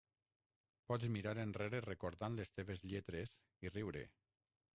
Pots mirar enrere recordant les teves lletres i riure.